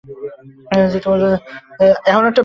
শিগগিরই আবার এক হবো আমরা।